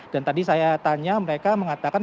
dan tadi saya tanya mereka mengatakan memang